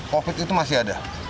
covid itu masih ada